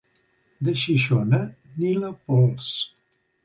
De Xixona, ni la pols.